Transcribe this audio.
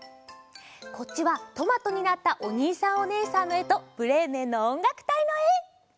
こっちはトマトになったおにいさんおねえさんのえと「ブレーメンのおんがくたい」のえ！